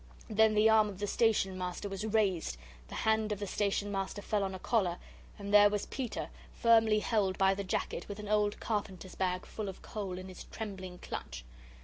Then the arm of the Station Master was raised, the hand of the Station Master fell on a collar, and there was Peter firmly held by the jacket, with an old carpenter's bag full of coal in his trembling clutch.